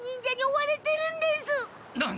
何！？